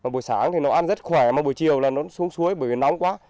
bữa sáng thì nó ăn rất khỏe mà buổi chiều là nó xuống suối bởi nóng quá